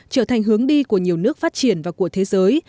trở thành hướng đi của nhiều nước phát triển và của thế giới